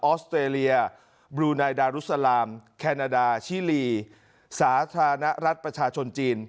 อสเตรเลียบลูไนดารุสลามแคนาดาชิลีสาธารณรัฐประชาชนจีน